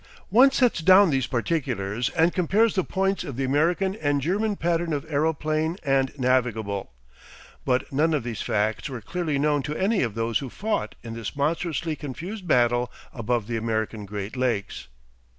3 One sets down these particulars and compares the points of the American and German pattern of aeroplane and navigable, but none of these facts were clearly known to any of those who fought in this monstrously confused battle above the American great lakes.